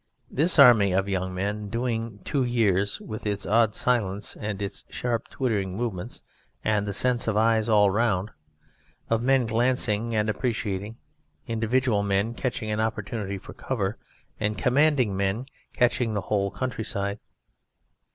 This army of young men doing two years, with its odd silence and its sharp twittering movements, and the sense of eyes all round one, of men glancing and appreciating: individual men catching an opportunity for cover; and commanding men catching the whole countryside....